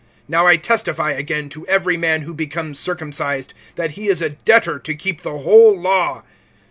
(3)Now I testify again to every man who becomes circumcised, that he is a debtor to keep the whole law.